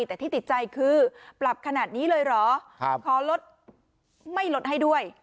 แต่ที่ติดใจคือปรับขนาดนี้เลยเหรอขอลดไม่ลดให้ด้วย